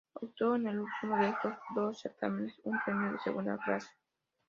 Obtuvo en el último de estos dos certámenes un premio de segunda clase.